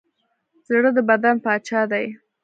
زړه د بدن پاچا دی.